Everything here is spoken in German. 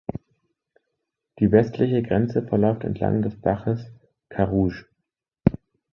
Die westliche Grenze verläuft entlang des Baches Carrouge.